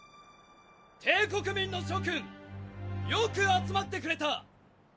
帝国民の諸君よく集まってくれた！！